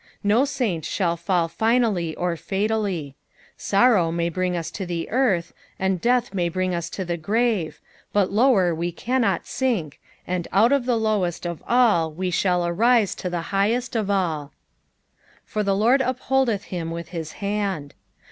No e&iiit shall fsll finally or fatally. Sorrow may bring U3 to the earth, and deatb may bring OS to the grare, but lower we cannot sink, and out of the lowest of all we shall Kiiae to the highest of alU "For the Lard voholdeth him with kit Aant